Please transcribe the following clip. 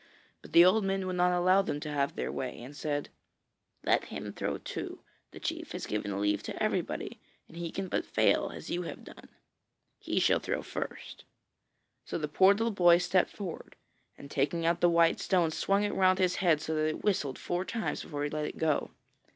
But the old men would not allow them to have their way, and said: 'Let him throw, too; the chief has given leave to everybody, and he can but fail as you have done. He shall throw first.' So the poor little boy stepped forward, and taking out the white stone swung it round his head so that it whistled four times before he let it go.